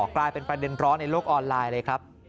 กลายเป็นประเด็นร้อนในโลกออนไลน์เลยครับ